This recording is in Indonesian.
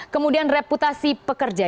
kemudian reputasi pekerja